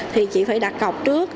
thì chỉ phải đặt cọc trước